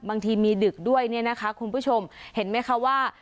บางทีมีดึกด้วยเนี่ยนะคะคุณผู้ชมเห็นไหมคะว่า